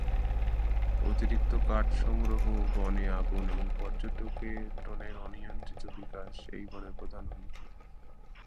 অতিরিক্ত কাঠ সংগ্রহ, বনে আগুন এবং পর্যটনের অনিয়ন্ত্রিত বিকাশ এই বনের প্রধান হুমকি।